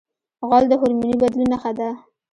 غول د هورموني بدلون نښه ده.